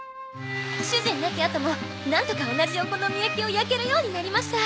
主人亡きあともなんとか同じお好み焼きを焼けるようになりました。